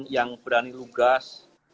yang berani lugas